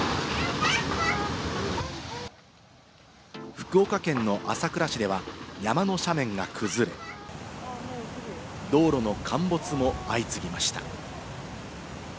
福岡県の朝倉市では山の斜面が崩れ、道路の陥没も相次ぎました。